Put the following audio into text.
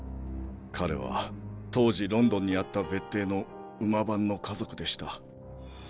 彼は当時ロンドンにあった別邸の馬番の家族でした。